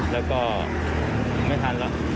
แล้วก็ไม่ทันแล้ว